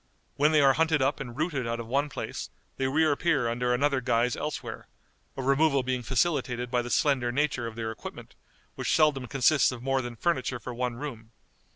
When they are hunted up and rooted out of one place, they reappear under another guise elsewhere; a removal being facilitated by the slender nature of their equipment, which seldom consists of more than furniture for one room.